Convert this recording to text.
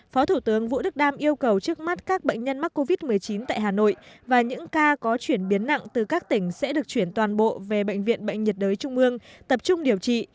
phó thủ tướng vũ đức đam yêu cầu trước mắt các bệnh nhân mắc covid một mươi chín tại hà nội và những ca có chuyển biến nặng từ các tỉnh sẽ được chuyển toàn bộ về bệnh viện bệnh nhiệt đới trung ương tập trung điều trị